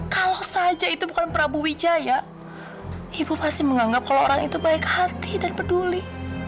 kalau saja itu bukan prabu wijaya ibu pasti menganggap kalau orang itu baik hati dan peduli